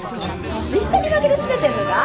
年下に負けてすねてんのか？